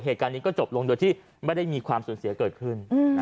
เหตุการณ์นี้ก็จบลงโดยที่ไม่ได้มีความสูญเสียเกิดขึ้น